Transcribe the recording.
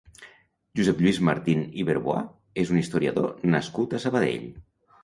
Josep Lluís Martín i Berbois és un historiador nascut a Sabadell.